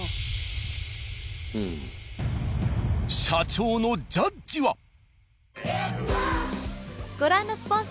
社長のジャッジは！？